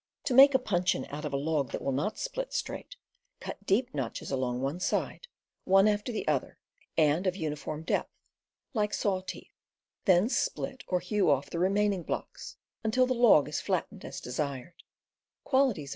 To make a puncheon out of a log that will not split straight: cut deep notches along one side, one after the other, and of uniform depth, like saw teeth; then split or hew off the remaining blocks until the log is flattened as desired.